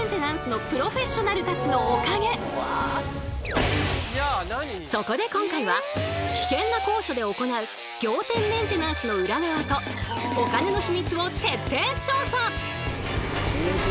このそこで今回は危険な高所で行う仰天メンテナンスの裏側とお金のヒミツを徹底調査！